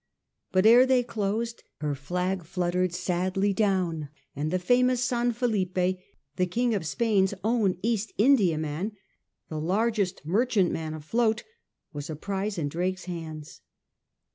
But ere they closed, her flag fluttered sadly down, and the famous San Filippe, the King of Spain's own East Indiaman, the largest merchantman afloat, was a pri^e in Drake's hands.